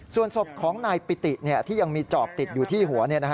ส่วนศพของนายปิติที่ยังมีจอบติดอยู่ที่หัว